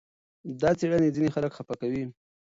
دا څېړنې ځینې خلک خپه کوي.